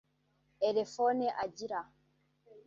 elefone agira